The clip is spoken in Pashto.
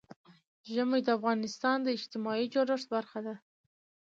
ژمی د افغانستان د اجتماعي جوړښت برخه ده.